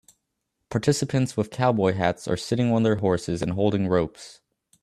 Participants with cowboy hats are sitting on their horses and holding ropes